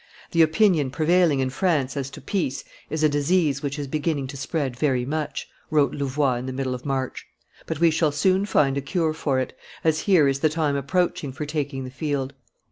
"The opinion prevailing in France as to peace is a disease which is beginning to spread very much," wrote Louvois in the middle of March, "but we shall soon find a cure for it, as here is the time approaching for taking the field.